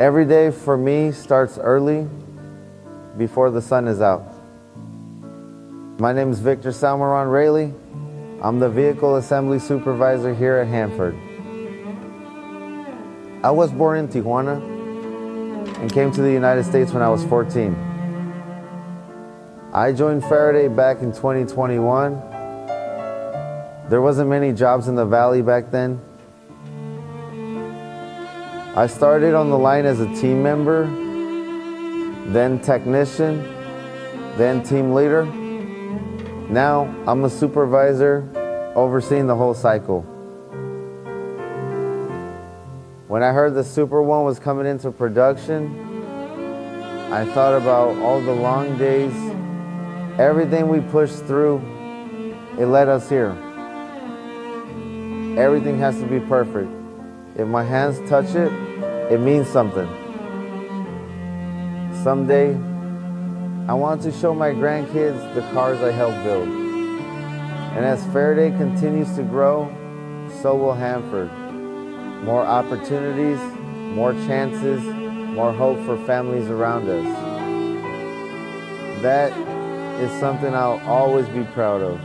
Every day for me starts early, before the sun is out. My name is Victor Samaran Raley. I'm the Vehicle Assembly Supervisor here at Hanford. I was born in Tijuana and came to the United States when I was 14. I joined Faraday back in 2021. There weren't many jobs in the Valley back then. I started on the line as a team member, then technician, then team leader. Now I'm a supervisor overseeing the whole cycle. When I heard the Super One was coming into production, I thought about all the long days, everything we pushed through, it led us here. Everything has to be perfect. If my hands touch it, it means something. Someday, I want to show my grandkids the cars I helped build. And as Faraday continues to grow, so will Hanford. More opportunities, more chances, more hope for families around us. That is something I'll always be proud of.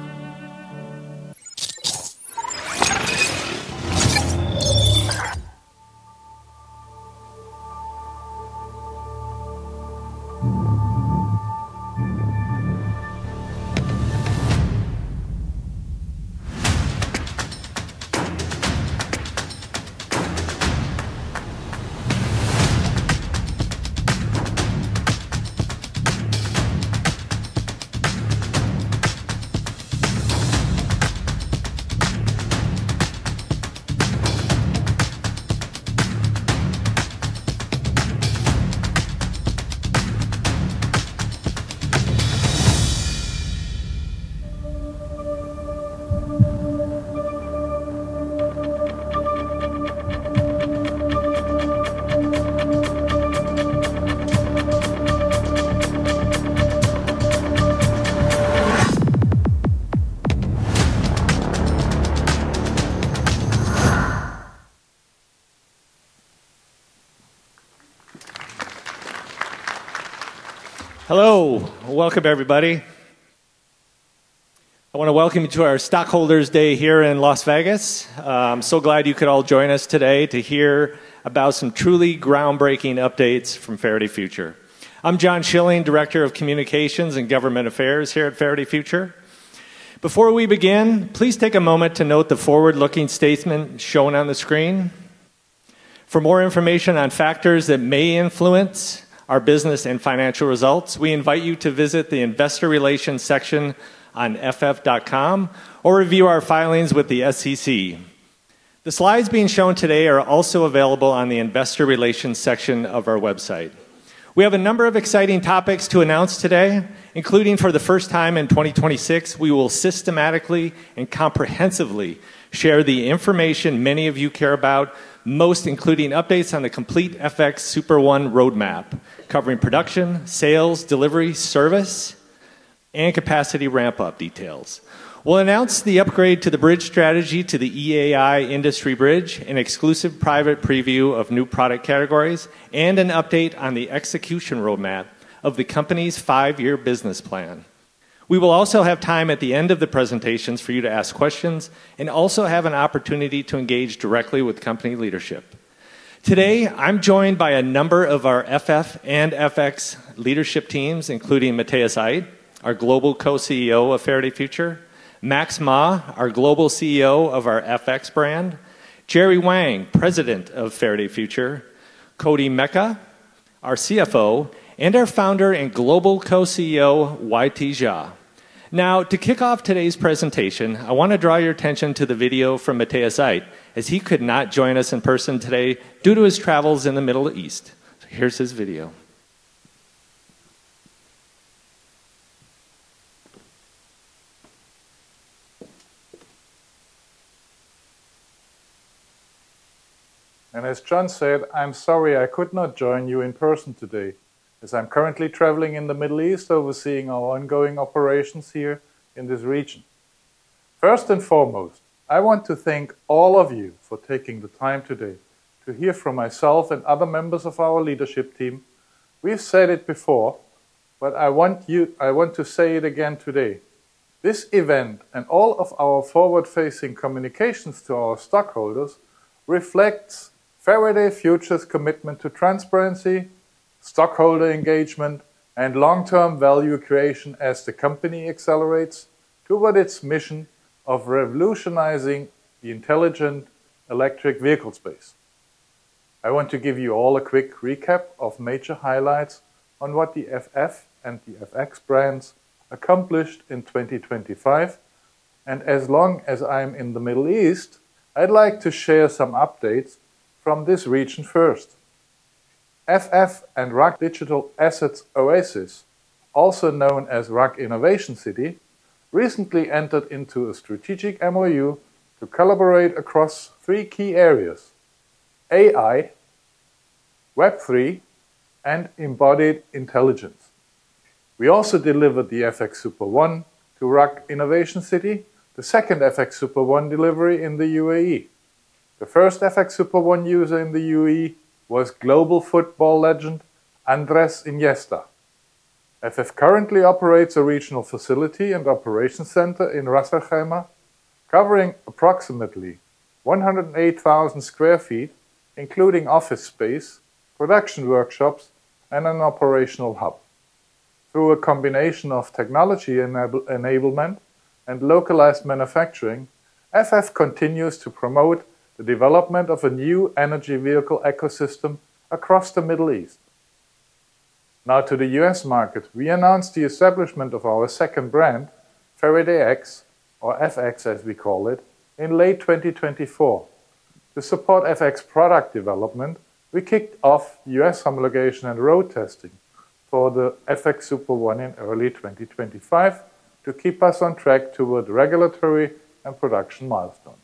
Hello. Welcome, everybody. I want to welcome you to our Stockholders' Day here in Las Vegas. I'm so glad you could all join us today to hear about some truly groundbreaking updates from Faraday Future. I'm John Schilling, Director of Communications and Government Affairs here at Faraday Future. Before we begin, please take a moment to note the forward-looking statement shown on the screen. For more information on factors that may influence our business and financial results, we invite you to visit the Investor Relations section on ff.com or review our filings with the SEC. The slides being shown today are also available on the Investor Relations section of our website. We have a number of exciting topics to announce today, including, for the first time in 2026, we will systematically and comprehensively share the information many of you care about most, including updates on the complete FX Super One roadmap, covering production, sales, delivery, service, and capacity ramp-up details. We'll announce the upgrade to the bridge strategy to the EAI Industry Bridge, an exclusive private preview of new product categories, and an update on the execution roadmap of the company's five-year business plan. We will also have time at the end of the presentations for you to ask questions and also have an opportunity to engage directly with company leadership. Today, I'm joined by a number of our FF and FX leadership teams, including Matthias Aydt, our Global Co-CEO of Faraday Future; Max Ma, our Global CEO of our FX brand; Jerry Wang, President of Faraday Future; Koti Meka, our CFO; and our founder and Global Co-CEO, YT Jia. Now, to kick off today's presentation, I want to draw your attention to the video from Matthias Aydt, as he could not join us in person today due to his travels in the Middle East. Here's his video. As John said, I'm sorry I could not join you in person today, as I'm currently traveling in the Middle East overseeing our ongoing operations here in this region. First and foremost, I want to thank all of you for taking the time today to hear from myself and other members of our leadership team. We've said it before, but I want to say it again today. This event and all of our forward-facing communications to our stockholders reflects Faraday Future's commitment to transparency, stockholder engagement, and long-term value creation as the company accelerates toward its mission of revolutionizing the intelligent electric vehicle space. I want to give you all a quick recap of major highlights on what the FF and the FX brands accomplished in 2025. As long as I'm in the Middle East, I'd like to share some updates from this region first. FF and RAK Digital Assets Oasis, also known as RAK Innovation City, recently entered into a strategic MOU to collaborate across three key areas: AI, Web3, and embodied intelligence. We also delivered the FX Super One to RAK Innovation City, the second FX Super One delivery in the UAE. The first FX Super One user in the UAE was global football legend Andrés Iniesta. FF currently operates a regional facility and operations center in Ras Al Khaimah, covering approximately 108,000 sq ft, including office space, production workshops, and an operational hub. Through a combination of technology enablement and localized manufacturing, FF continues to promote the development of a new energy vehicle ecosystem across the Middle East. Now, to the US market, we announced the establishment of our second brand, Faraday X, or FX as we call it, in late 2024. To support FX product development, we kicked off U.S. homologation and road testing for the FX Super One in early 2025 to keep us on track toward regulatory and production milestones.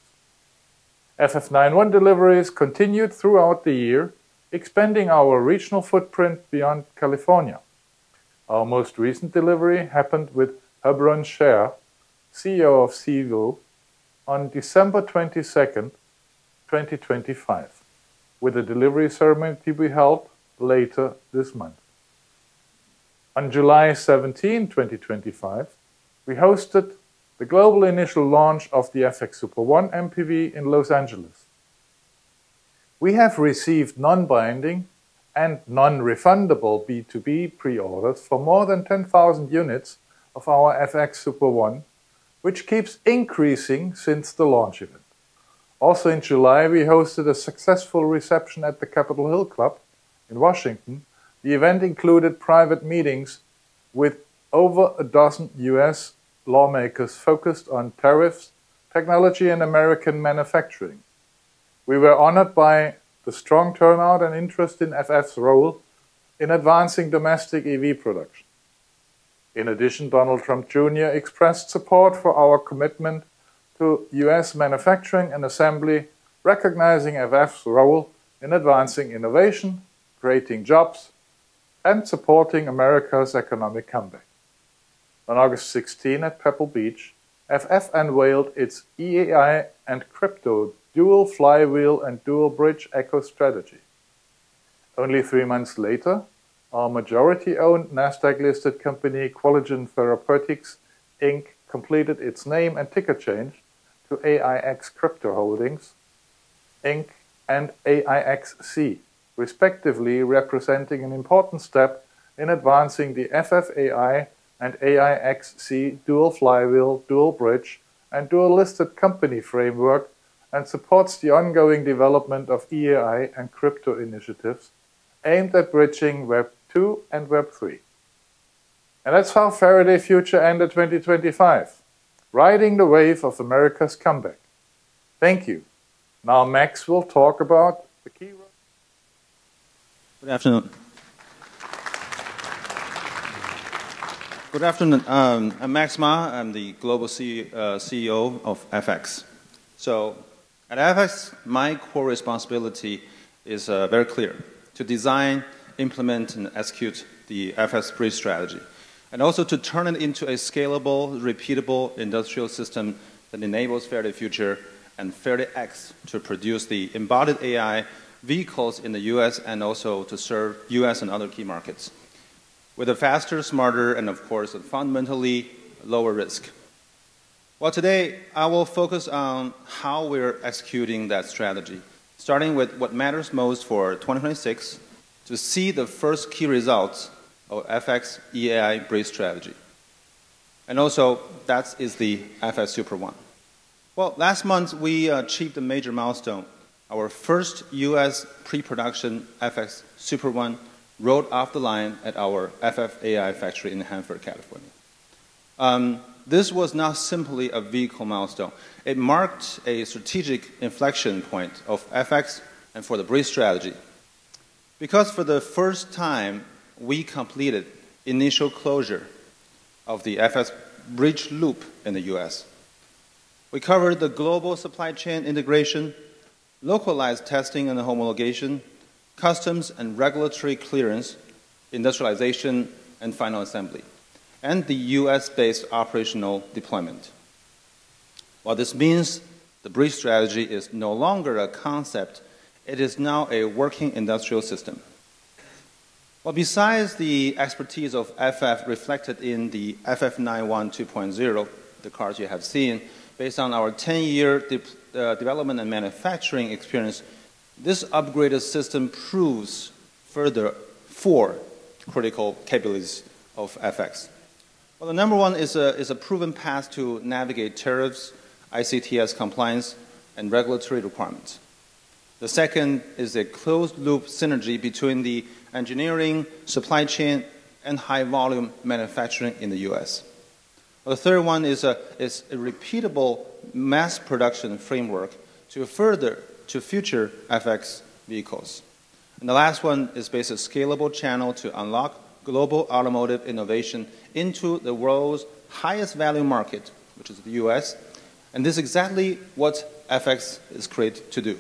FF 91 deliveries continued throughout the year, expanding our regional footprint beyond California. Our most recent delivery happened with Hebron Sher, CEO of Seeville, on December 22, 2025, with a delivery ceremony to be held later this month. On July 17, 2025, we hosted the global initial launch of the FX Super One MPV in Los Angeles. We have received non-binding and non-refundable B2B pre-orders for more than 10,000 units of our FX Super One, which keeps increasing since the launch event. Also, in July, we hosted a successful reception at the Capitol Hill Club in Washington. The event included private meetings with over a dozen U.S. lawmakers focused on tariffs, technology, and American manufacturing. We were honored by the strong turnout and interest in FF's role in advancing domestic EV production. In addition, Donald Trump Jr. expressed support for our commitment to U.S. manufacturing and assembly, recognizing FF's role in advancing innovation, creating jobs, and supporting America's economic comeback. On August 16, at Pebble Beach, FF unveiled its EAI and crypto dual flywheel and dual bridge eco strategy. Only three months later, our majority-owned Nasdaq-listed company, Qualigen Therapeutics Inc., completed its name and ticker change to AIX Crypto Holdings Inc. and AIXC, respectively, representing an important step in advancing the FFAI and AIXC dual flywheel, dual bridge, and dual-listed company framework, and supports the ongoing development of EAI and crypto initiatives aimed at bridging Web2 and Web3, and that's how Faraday Future ended 2025, riding the wave of America's comeback. Thank you. Now, Max will talk about the key roadmap. Good afternoon. Good afternoon. I'm Max Ma. I'm the Global CEO of FX. So at FX, my core responsibility is very clear: to design, implement, and execute the FX3 strategy, and also to turn it into a scalable, repeatable industrial system that enables Faraday Future and Faraday X to produce the embodied AI vehicles in the U.S. and also to serve U.S. and other key markets with a faster, smarter, and, of course, fundamentally lower risk. Today, I will focus on how we're executing that strategy, starting with what matters most for 2026 to see the first key results of FX's EAI Bridge strategy. That is the FX Super One. Last month, we achieved a major milestone. Our first U.S. pre-production FX Super One rolled off the line at our FFAI factory in Hanford, California. This was not simply a vehicle milestone. It marked a strategic inflection point of FX and for the Bridge strategy. Because for the first time, we completed initial closure of the FX Bridge loop in the U.S. We covered the global supply chain integration, localized testing and homologation, customs and regulatory clearance, industrialization, and final assembly, and the U.S.-based operational deployment. While this means the Bridge strategy is no longer a concept, it is now a working industrial system. Besides the expertise of FF reflected in the FF 91 2.0, the cars you have seen, based on our 10-year development and manufacturing experience, this upgraded system proves further four critical capabilities of FX. The number one is a proven path to navigate tariffs, ICTS compliance, and regulatory requirements. The second is a closed-loop synergy between the engineering, supply chain, and high-volume manufacturing in the U.S. The third one is a repeatable mass production framework to further future FX vehicles. The last one is based on a scalable channel to unlock global automotive innovation into the world's highest-value market, which is the U.S. And this is exactly what FX is created to do.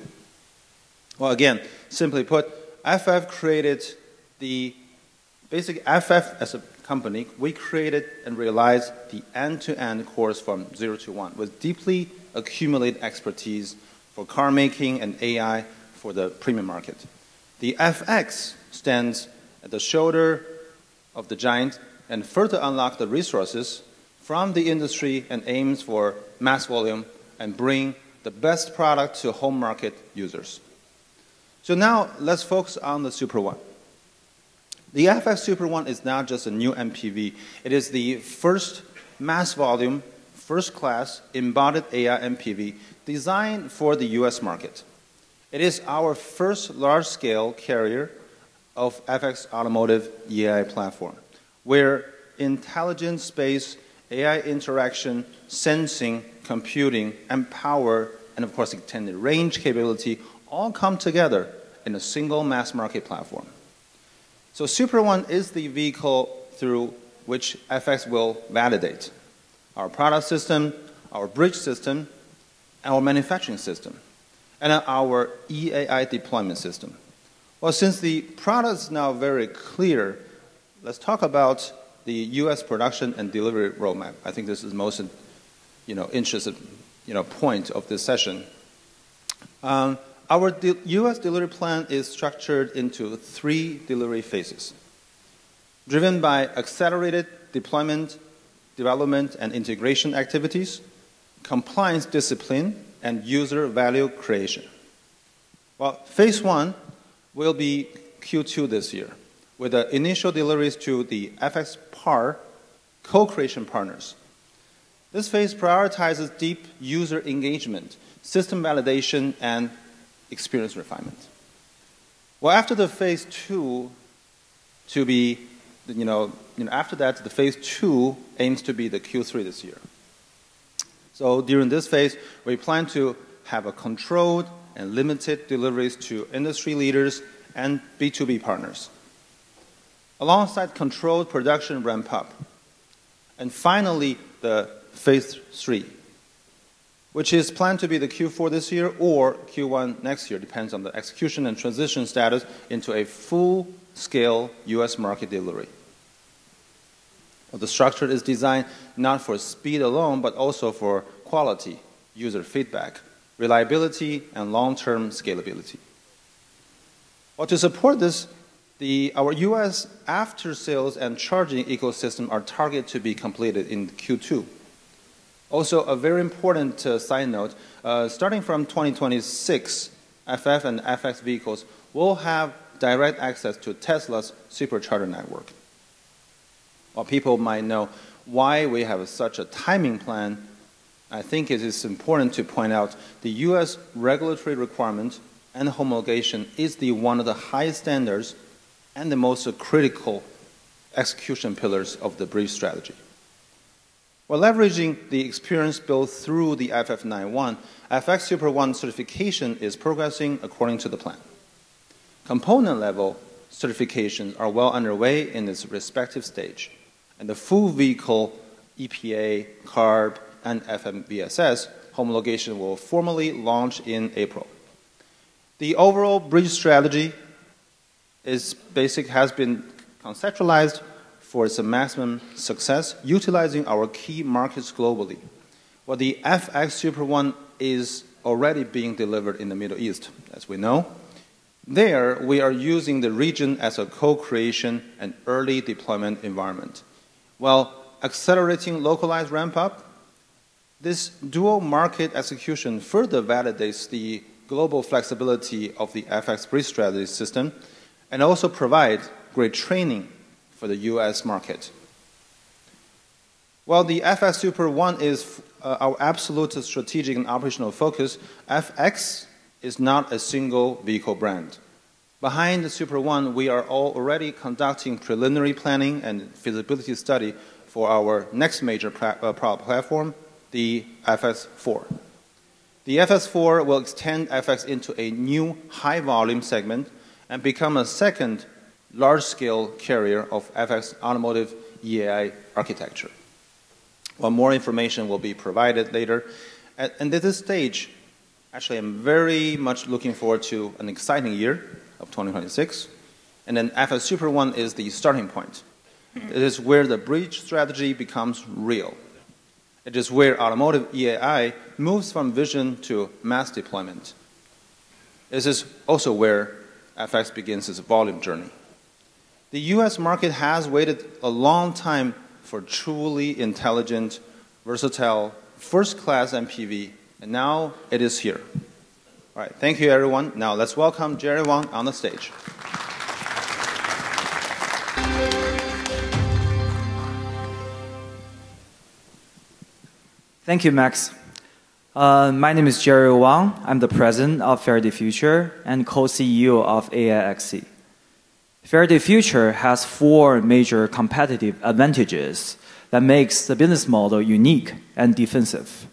Again, simply put, FF created the basic FF as a company. We created and realized the end-to-end course from zero to one with deeply accumulated expertise for car making and AI for the premium market. The FX stands at the shoulder of the giant and further unlocks the resources from the industry and aims for mass volume and bring the best product to home market users. Now let's focus on the Super One. The FX Super One is not just a new MPV. It is the first mass-volume, first-class embodied AI MPV designed for the U.S. market. It is our first large-scale carrier of FX automotive EAI platform, where intelligence space, AI interaction, sensing, computing, and power, and of course, extended range capability all come together in a single mass-market platform. So Super One is the vehicle through which FX will validate our product system, our bridge system, our manufacturing system, and our EAI deployment system. Well, since the product is now very clear, let's talk about the US production and delivery roadmap. I think this is the most interesting point of this session. Our US delivery plan is structured into three delivery phases, driven by accelerated deployment, development, and integration activities, compliance discipline, and user value creation. Well, phase one will be Q2 this year, with the initial deliveries to the FX partner co-creation partners. This phase prioritizes deep user engagement, system validation, and experience refinement. After the phase two to be after that, the phase two aims to be the Q3 this year, so during this phase, we plan to have controlled and limited deliveries to industry leaders and B2B partners, alongside controlled production ramp-up, and finally, the phase three, which is planned to be the Q4 this year or Q1 next year, depends on the execution and transition status into a full-scale U.S. market delivery. The structure is designed not for speed alone, but also for quality, user feedback, reliability, and long-term scalability. To support this, our U.S. after-sales and charging ecosystem are targeted to be completed in Q2. Also, a very important side note, starting from 2026, FF and FX vehicles will have direct access to Tesla's supercharger network. While people might know why we have such a timing plan, I think it is important to point out the U.S. regulatory requirement and homologation is one of the highest standards and the most critical execution pillars of the Bridge strategy. Leveraging the experience built through the FF 91, FX Super One certification is progressing according to the plan. Component-level certifications are well underway in its respective stage, and the full vehicle EPA, CARB, and FMVSS homologation will formally launch in April. The overall Bridge strategy has been conceptualized for its maximum success, utilizing our key markets globally. The FX Super One is already being delivered in the Middle East, as we know. There, we are using the region as a co-creation and early deployment environment. Well, accelerating localized ramp-up, this dual market execution further validates the global flexibility of the FX Bridge strategy system and also provides great training for the U.S. market. While the FX Super One is our absolute strategic and operational focus, FX is not a single vehicle brand. Behind the Super One, we are already conducting preliminary planning and feasibility study for our next major platform, the FX4. The FX4 will extend FX into a new high-volume segment and become a second large-scale carrier of FX automotive EAI architecture. Well, more information will be provided later. And at this stage, actually, I'm very much looking forward to an exciting year of 2026. And then FX Super One is the starting point. It is where the Bridge strategy becomes real. It is where automotive EAI moves from vision to mass deployment. This is also where FX begins its volume journey. The U.S. market has waited a long time for truly intelligent, versatile, first-class MPV, and now it is here. All right, thank you, everyone. Now, let's welcome Jerry Wang on the stage. Thank you, Max. My name is Jerry Wang. I'm the president of Faraday Future and co-CEO of AIXC. Faraday Future has four major competitive advantages that make the business model unique and defensive.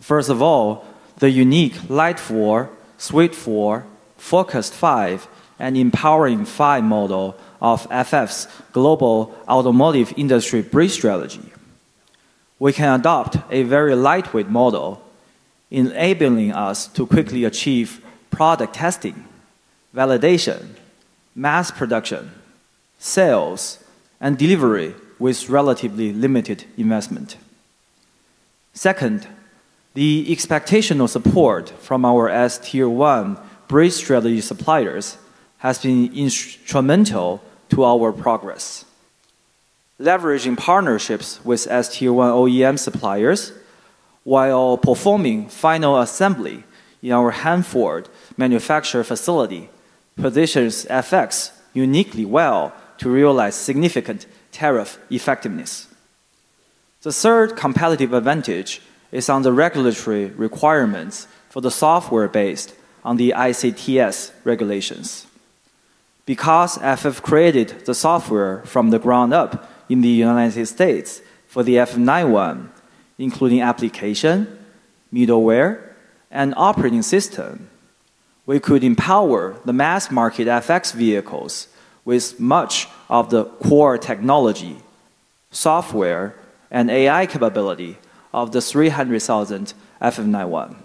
First of all, the unique Light 4, Suite 4, Focus 5, and Empowering 5 model of FF's global automotive industry Bridge strategy. We can adopt a very lightweight model, enabling us to quickly achieve product testing, validation, mass production, sales, and delivery with relatively limited investment. Second, the exceptional support from our S Tier 1 Bridge strategy suppliers has been instrumental to our progress. Leveraging partnerships with S Tier 1 OEM suppliers, while performing final assembly in our Hanford manufacturing facility, positions FX uniquely well to realize significant tariff effectiveness. The third competitive advantage is on the regulatory requirements for the software based on the ICTS regulations. Because FF created the software from the ground up in the United States for the FF 91, including application, middleware, and operating system, we could empower the mass-market FX vehicles with much of the core technology, software, and AI capability of the 300,000 FF 91.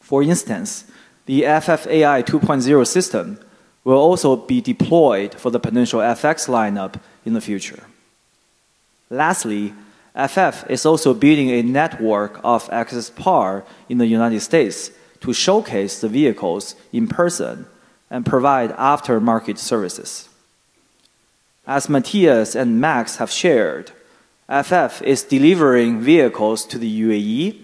For instance, the FFAI 2.0 system will also be deployed for the potential FX lineup in the future. Lastly, FF is also building a network of access parts in the United States to showcase the vehicles in person and provide after-market services. As Matthias and Max have shared, FF is delivering vehicles to the UAE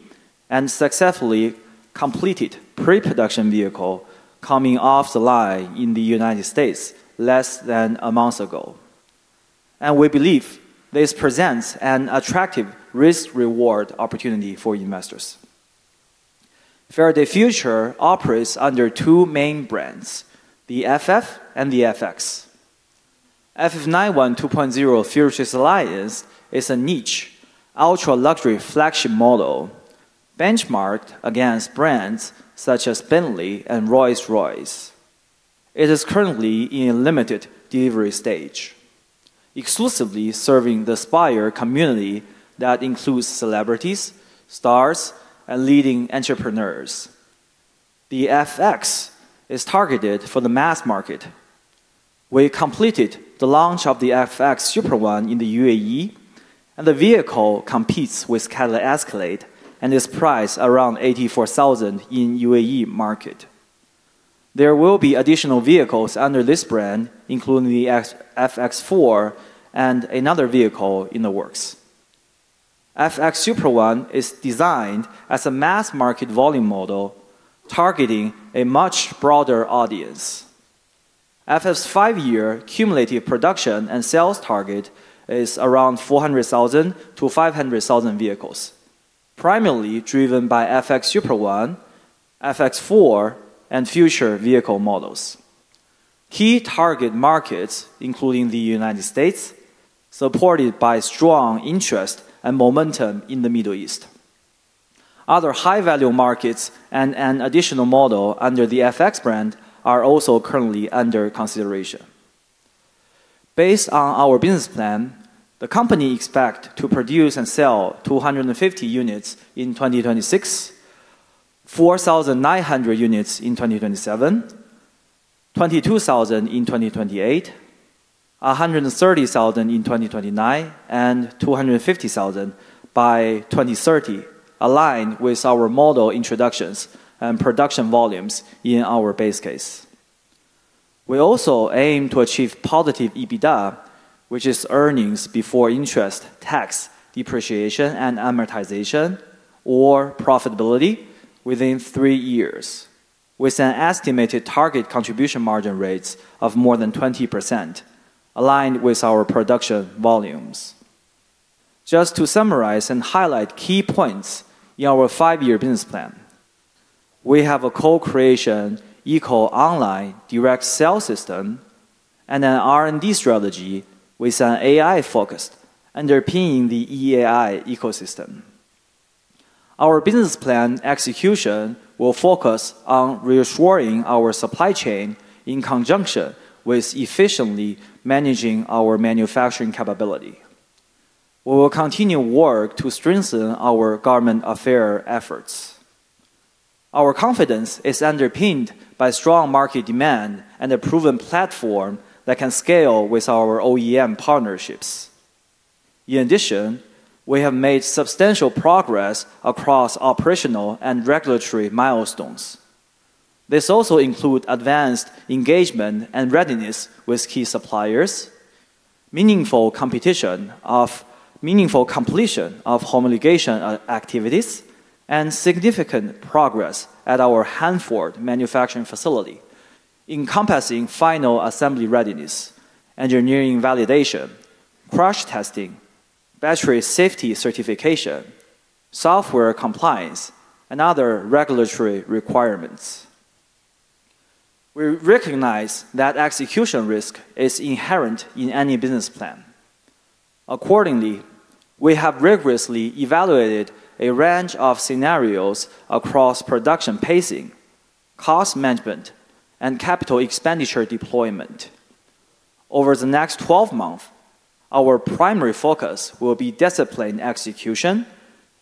and successfully completed pre-production vehicle coming off the line in the United States less than a month ago, and we believe this presents an attractive risk-reward opportunity for investors. Faraday Future operates under two main brands, the FF and the FX. FF 91 2.0 Futurist Alliance is a niche, ultra-luxury flagship model benchmarked against brands such as Bentley and Rolls-Royce. It is currently in a limited delivery stage, exclusively serving the Spire community that includes celebrities, stars, and leading entrepreneurs. The FX is targeted for the mass market. We completed the launch of the FX Super One in the UAE, and the vehicle competes with Cadillac Escalade and is priced around $84,000 in the UAE market. There will be additional vehicles under this brand, including the FX4 and another vehicle in the works. FX Super One is designed as a mass-market volume model targeting a much broader audience. FF's five-year cumulative production and sales target is around 400,000-500,000 vehicles, primarily driven by FX Super One, FX4, and future vehicle models. Key target markets, including the United States, supported by strong interest and momentum in the Middle East. Other high-value markets and an additional model under the FX brand are also currently under consideration. Based on our business plan, the company expects to produce and sell 250 units in 2026, 4,900 units in 2027, 22,000 in 2028, 130,000 in 2029, and 250,000 by 2030, aligned with our model introductions and production volumes in our base case. We also aim to achieve positive EBITDA, which is earnings before interest tax depreciation and amortization or profitability within three years, with an estimated target contribution margin rates of more than 20%, aligned with our production volumes. Just to summarize and highlight key points in our five-year business plan, we have a co-creation equal online direct sales system and an R&D strategy with an AI focus underpinning the EAI ecosystem. Our business plan execution will focus on reassuring our supply chain in conjunction with efficiently managing our manufacturing capability. We will continue work to strengthen our government affairs efforts. Our confidence is underpinned by strong market demand and a proven platform that can scale with our OEM partnerships. In addition, we have made substantial progress across operational and regulatory milestones. This also includes advanced engagement and readiness with key suppliers, meaningful completion of homologation activities, and significant progress at our Hanford manufacturing facility, encompassing final assembly readiness, engineering validation, crash testing, battery safety certification, software compliance, and other regulatory requirements. We recognize that execution risk is inherent in any business plan. Accordingly, we have rigorously evaluated a range of scenarios across production pacing, cost management, and capital expenditure deployment. Over the next 12 months, our primary focus will be disciplined execution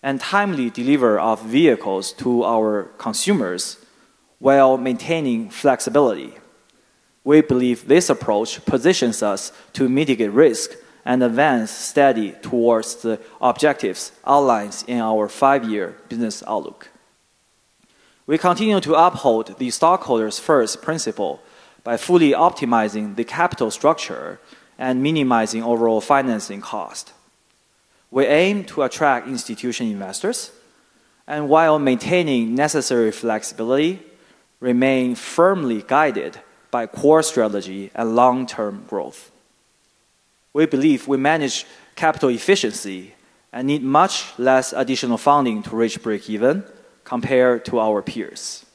and timely delivery of vehicles to our consumers while maintaining flexibility. We believe this approach positions us to mitigate risk and advance steadily towards the objectives outlined in our five-year business outlook. We continue to uphold the stockholder's first principle by fully optimizing the capital structure and minimizing overall financing cost. We aim to attract institutional investors, and while maintaining necessary flexibility, remain firmly guided by core strategy and long-term growth. We believe we manage capital efficiency and need much less additional funding to reach break-even compared to our peers.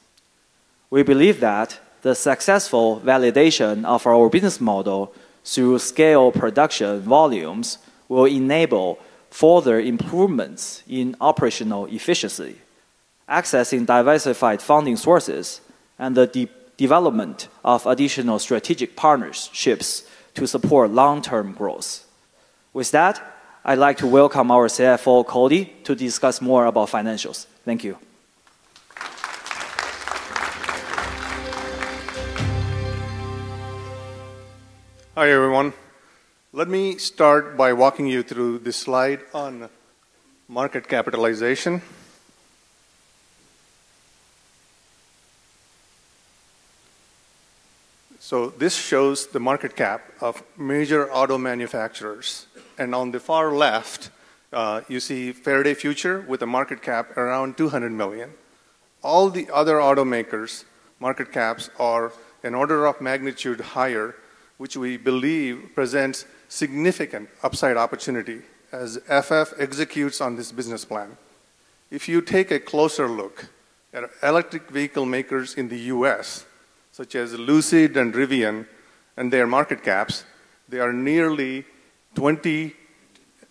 We believe that the successful validation of our business model through scale production volumes will enable further improvements in operational efficiency, accessing diversified funding sources, and the development of additional strategic partnerships to support long-term growth. With that, I'd like to welcome our CFO, Koti, to discuss more about financials. Thank you. Hi, everyone. Let me start by walking you through this slide on market capitalization. So this shows the market cap of major auto manufacturers. And on the far left, you see Faraday Future with a market cap around $200 million. All the other automakers' market caps are in order of magnitude higher, which we believe presents significant upside opportunity as FF executes on this business plan. If you take a closer look at electric vehicle makers in the U.S., such as Lucid and Rivian and their market caps, they are nearly 20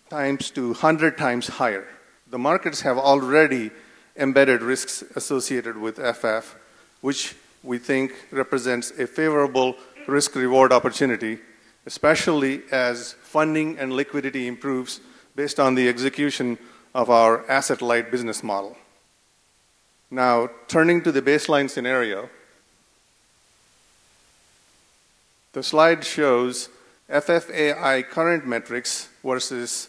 times to 100 times higher. The markets have already embedded risks associated with FF, which we think represents a favorable risk-reward opportunity, especially as funding and liquidity improves based on the execution of our asset-light business model. Now, turning to the baseline scenario, the slide shows FFAI current metrics versus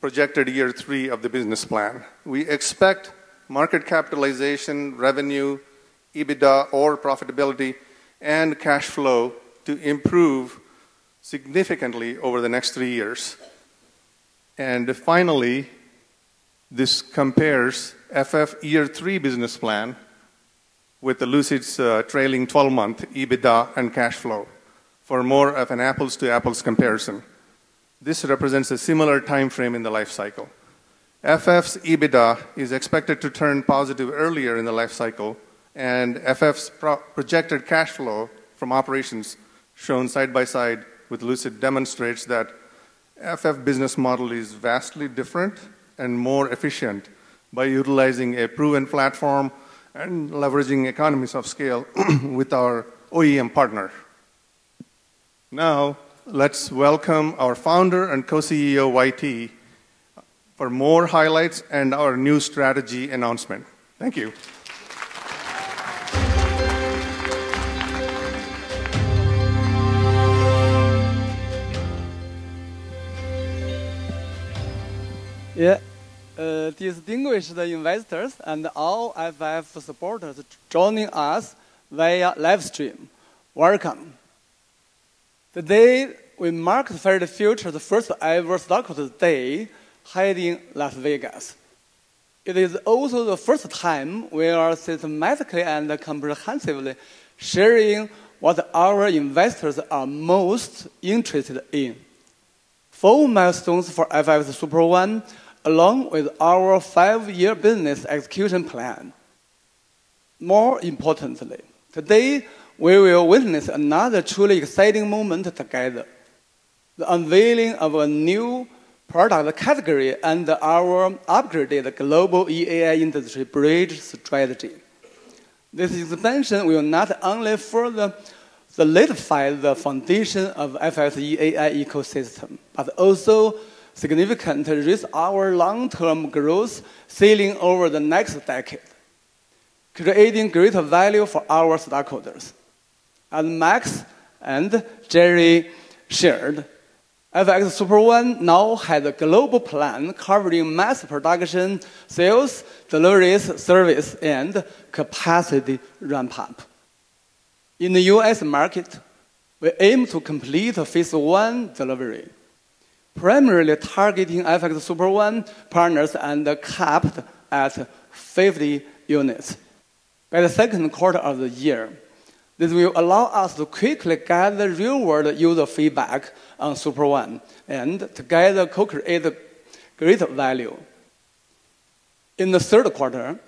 projected year three of the business plan. We expect market capitalization, revenue, EBITDA, or profitability and cash flow to improve significantly over the next three years. Finally, this compares FF year three business plan with Lucid's trailing 12-month EBITDA and cash flow for more of an apples-to-apples comparison. This represents a similar timeframe in the life cycle. FF's EBITDA is expected to turn positive earlier in the life cycle, and FF's projected cash flow from operations shown side by side with Lucid demonstrates that FF business model is vastly different and more efficient by utilizing a proven platform and leveraging economies of scale with our OEM partner. Now, let's welcome our Founder and Co-CEO, YT, for more highlights and our new strategy announcement. Thank you. Yeah. To all distinguished investors and all FF supporters joining us via livestream. Welcome. Today, we mark Faraday Future's first anniversary day here in Las Vegas. It is also the first time we are systematically and comprehensively sharing what our investors are most interested in: four milestones for FX Super One, along with our five-year business execution plan. More importantly, today, we will witness another truly exciting moment together: the unveiling of a new product category and our upgraded global EAI industry bridge strategy. This expansion will not only further solidify the foundation of the FF EAI ecosystem, but also significantly raise our long-term growth ceiling over the next decade, creating greater value for our stockholders. As Max and Jerry shared, FX Super One now has a global plan covering mass production, sales, delivery service, and capacity ramp-up. In the U.S. market, we aim to complete phase one delivery, primarily targeting FX Super One partners and capped at 50 units by the second quarter of the year. This will allow us to quickly gather real-world user feedback on Super One and together co-create greater value. In the third quarter,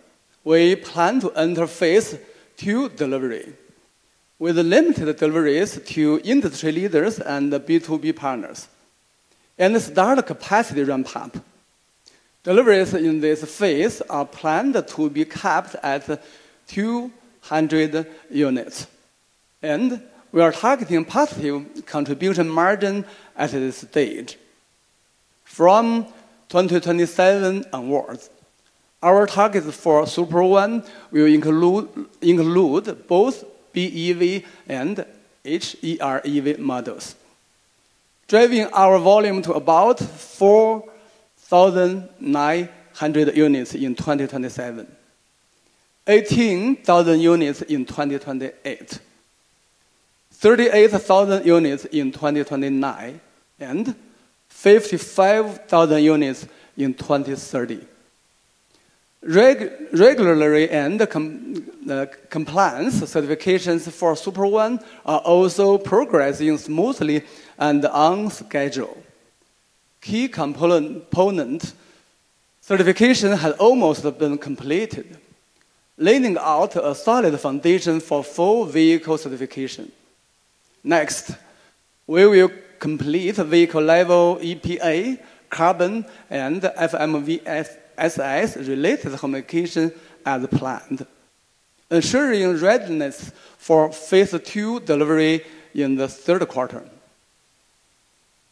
we plan to enter phase two delivery with limited deliveries to industry leaders and B2B partners and start a capacity ramp-up. Deliveries in this phase are planned to be capped at 200 units, and we are targeting positive contribution margin at this stage. From 2027 onwards, our targets for Super One will include both BEV and EREV models, driving our volume to about 4,900 units in 2027, 18,000 units in 2028, 38,000 units in 2029, and 55,000 units in 2030. Regulatory and compliance certifications for Super One are also progressing smoothly and on schedule. Key component certification has almost been completed, laying out a solid foundation for full vehicle certification. Next, we will complete vehicle-level EPA, CARB, and FMVSS-related homologation as planned, ensuring readiness for phase two delivery in the third quarter.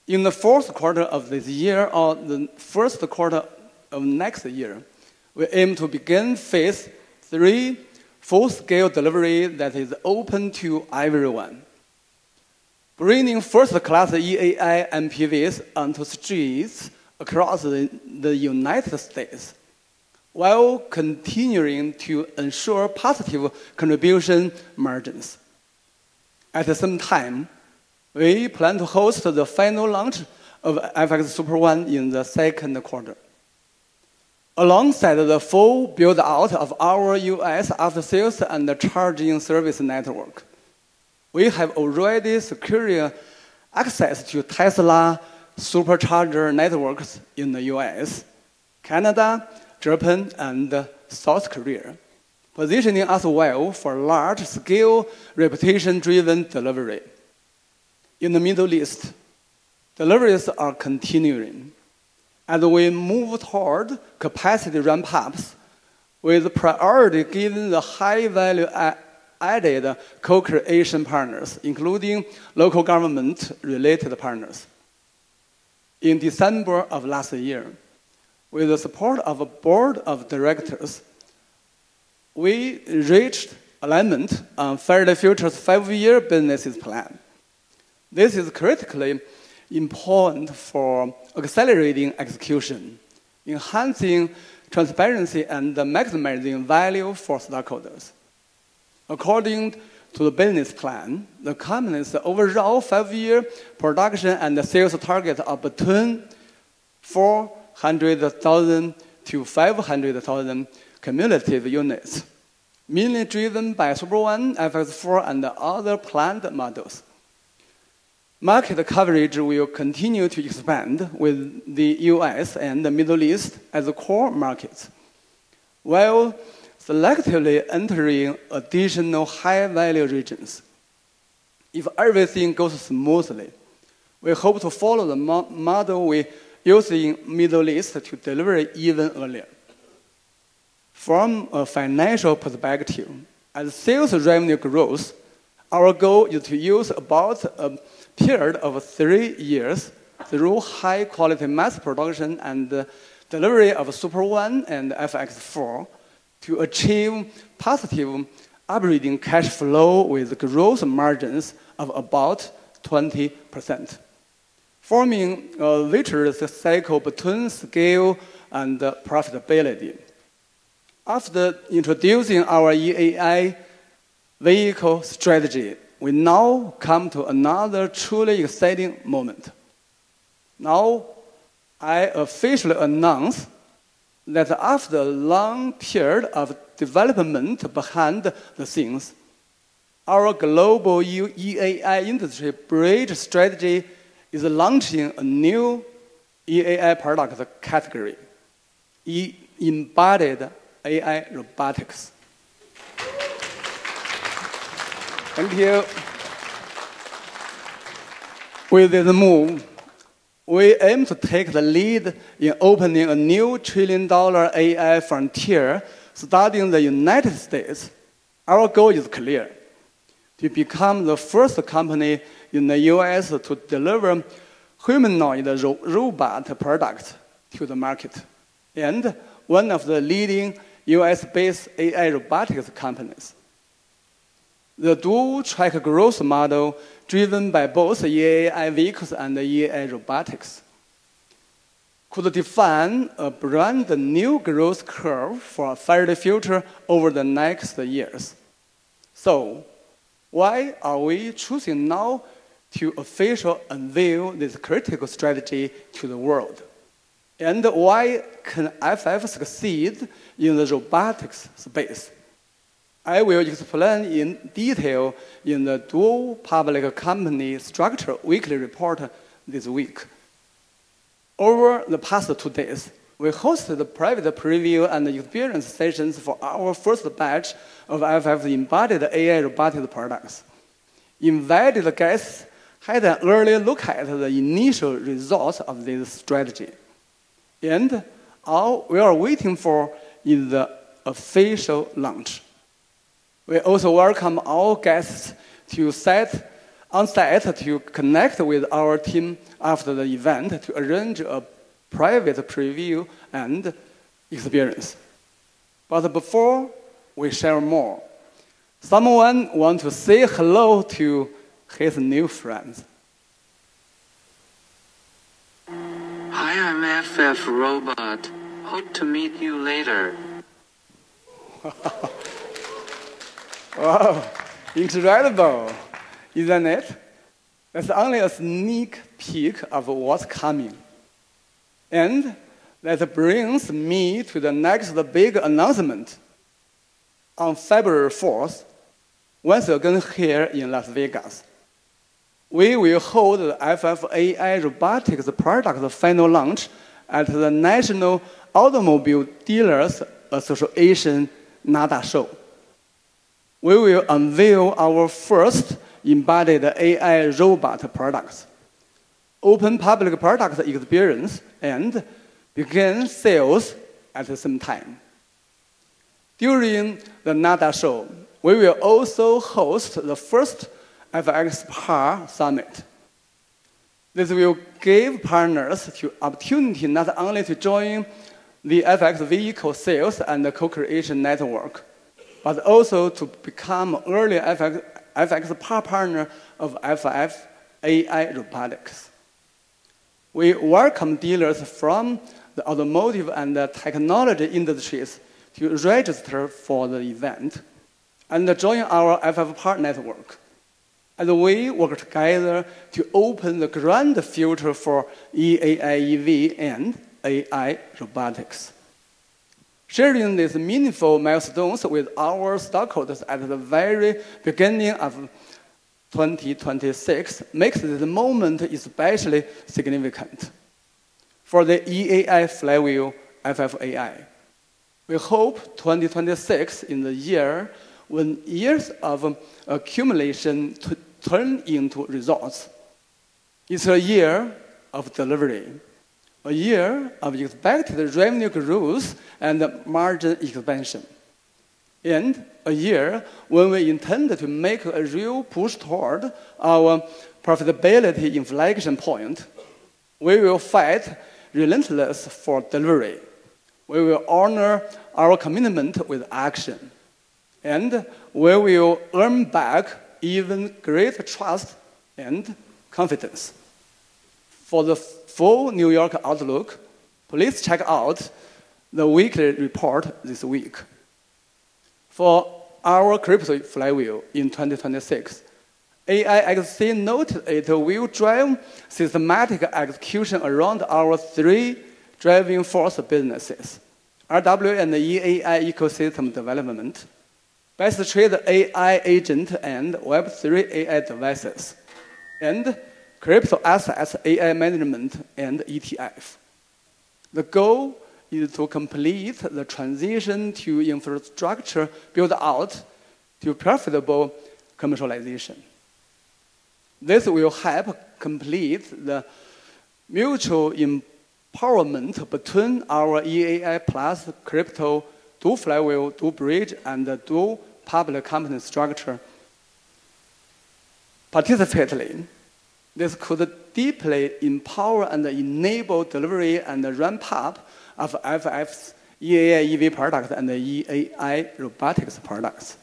In the fourth quarter of this year or the first quarter of next year, we aim to begin phase three full-scale delivery that is open to everyone, bringing first-class EAI MPVs onto streets across the United States while continuing to ensure positive contribution margins. At the same time, we plan to host the final launch of FX Super One in the second quarter. Alongside the full build-out of our U.S. after-sales and charging service network, we have already secured access to Tesla supercharger networks in the U.S., Canada, Japan, and South Korea, positioning us well for large-scale reservation-driven delivery. In the Middle East, deliveries are continuing as we move toward capacity ramp-ups, with priority given the high-value-added co-creation partners, including local government-related partners. In December of last year, with the support of a board of directors, we reached alignment on Faraday Future's five-year business plan. This is critically important for accelerating execution, enhancing transparency, and maximizing value for stockholders. According to the business plan, the company's overall five-year production and sales targets are between 400,000 to 500,000 cumulative units, mainly driven by Super One, FX4, and other planned models. Market coverage will continue to expand with the U.S. and the Middle East as core markets, while selectively entering additional high-value regions. If everything goes smoothly, we hope to follow the model we use in the Middle East to deliver even earlier. From a financial perspective, as sales revenue grows, our goal is to use about a period of three years through high-quality mass production and delivery of Super One and FX4 to achieve positive operating cash flow with gross margins of about 20%, forming a literal cycle between scale and profitability. After introducing our EAI vehicle strategy, we now come to another truly exciting moment. Now, I officially announce that after a long period of development behind the scenes, our global EAI industry bridge strategy is launching a new EAI product category, embodied AI robotics. Thank you. With this move, we aim to take the lead in opening a new trillion-dollar AI frontier starting in the United States. Our goal is clear: to become the first company in the U.S. to deliver humanoid robot products to the market and one of the leading U.S.-based AI robotics companies. The dual-track growth model driven by both EAI vehicles and EAI robotics could define a brand new growth curve for Faraday Future over the next years, so why are we choosing now to officially unveil this critical strategy to the world, and why can FF succeed in the robotics space? I will explain in detail in the dual-public company structure weekly report this week. Over the past two days, we hosted private preview and experience sessions for our first batch of FF's EAI robotic products. Invited guests had an early look at the initial results of this strategy, and all we are waiting for is the official launch. We also welcome all guests on site to connect with our team after the event to arrange a private preview and experience, but before we share more, someone wants to say hello to his new friend. Hi, I'm FF Robot. Hope to meet you later. Wow. Incredible. Isn't it? That's only a sneak peek of what's coming. And that brings me to the next big announcement. On February 4th, once again here in Las Vegas, we will hold the FFAI robotics product final launch at the National Automobile Dealers Association NADA Show. We will unveil our first embedded AI robot products, open public product experience, and begin sales at the same time. During the NADA Show, we will also host the first FXPAR Summit. This will give partners the opportunity not only to join the FX vehicle sales and co-creation network, but also to become early FXPAR partners of FFAI robotics. We welcome dealers from the automotive and technology industries to register for the event and join our FFPAR network as we work together to open the grand future for EAI EV and AI robotics. Sharing these meaningful milestones with our stockholders at the very beginning of 2026 makes this moment especially significant for the EAI flywheel FFAI. We hope 2026 is the year when years of accumulation turn into results. It's a year of delivery, a year of expected revenue growth and margin expansion, and a year when we intend to make a real push toward our profitability inflection point. We will fight relentlessly for delivery. We will honor our commitment with action, and we will earn back even greater trust and confidence. For the full New York outlook, please check out the weekly report this week. For our crypto flywheel in 2026, AIXC noted it will drive systematic execution around our three driving force businesses: RWA and EAI ecosystem development, best-traded AI agent and Web3 AI devices, and crypto assets AI management and ETF. The goal is to complete the transition to infrastructure build-out to profitable commercialization. This will help complete the mutual empowerment between our EAI plus crypto two flywheel, two bridge, and two public company structure. Participatorily, this could deeply empower and enable delivery and ramp-up of FF's EAI EV products and EAI robotics products.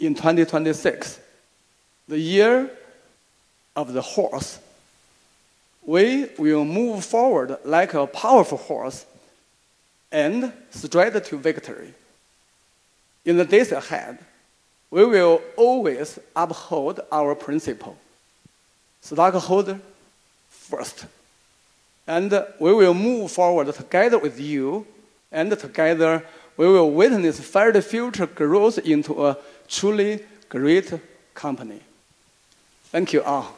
In 2026, the year of the horse, we will move forward like a powerful horse and stride to victory. In the days ahead, we will always uphold our principle: stockholder first, and we will move forward together with you, and together we will witness Faraday Future grow into a truly great company. Thank you all.